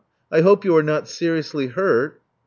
I hope you are not seriously hurt."